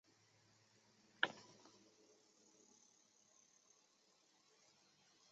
沙田站是东铁线的中途站。